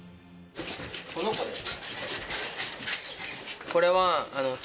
この子です。